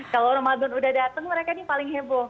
kalau ramadan udah datang mereka ini paling heboh